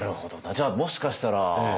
じゃあもしかしたらね